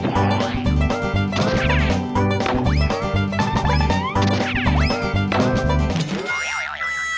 เวลานะ